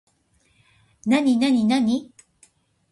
なになになに